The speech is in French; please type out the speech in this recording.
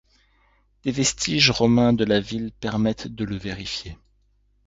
Des vestiges romains dans la ville permettent de le vérifier.